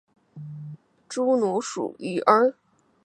侏儒蚺属而设。